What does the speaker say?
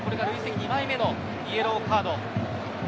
２枚目のイエローカード。